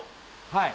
はい。